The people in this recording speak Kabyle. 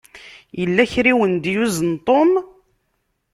Yella kra i wen-d-yuzen Tom.